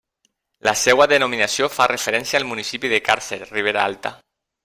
La seva denominació fa referència al municipi de Càrcer, Ribera Alta.